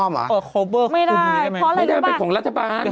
อ้อมหรือไม่ได้เพราะอะไรรู้ป่ะเป็นของรัฐบาล